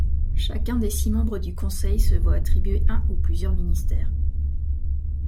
Chacun des six membres du Conseil se voit attribuer un ou plusieurs ministères.